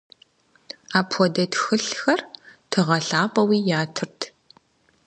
Апхуэдэ тхылъхэр тыгъэ лъапӏэуи ятырт.